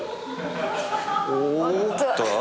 おっと。